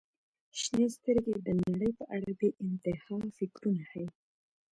• شنې سترګې د نړۍ په اړه بې انتها فکرونه ښیي.